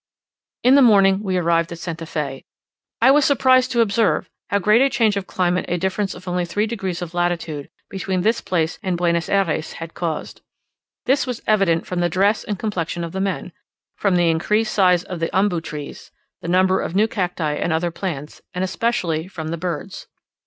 In the morning we arrived at St. Fe. I was surprised to observe how great a change of climate a difference of only three degrees of latitude between this place and Buenos Ayres had caused. This was evident from the dress and complexion of the men from the increased size of the ombu trees the number of new cacti and other plants and especially from the birds.